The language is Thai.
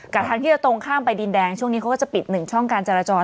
ทางที่จะตรงข้ามไปดินแดงช่วงนี้เขาก็จะปิด๑ช่องการจราจร